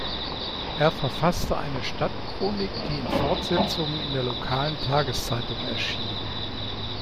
Er verfasste eine Stadtchronik, die in Fortsetzungen in der lokalen Tageszeitung erschien.